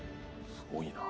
すごいな。